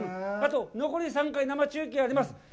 あと残り３回、生中継あります。